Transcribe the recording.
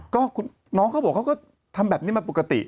ก็น้องเขาบอกเขาก็ทำแบบนี้มาปกติ